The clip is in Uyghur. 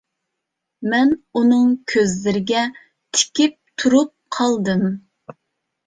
مەن ئۇنىڭ كۆزلىرىگە تىكىپ تۇرۇپ قالدىم.